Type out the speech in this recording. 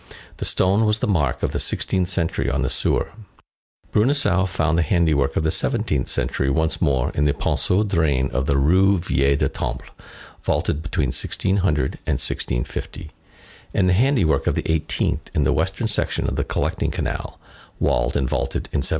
This stone was the mark of the sixteenth century on the sewer; Bruneseau found the handiwork of the seventeenth century once more in the Ponceau drain of the old Rue Vieille du Temple, vaulted between 1600 and 1650; and the handiwork of the eighteenth in the western section of the collecting canal, walled and vaulted in 1740.